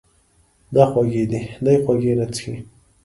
دا خوږې دي، دی خوږې نه څښي.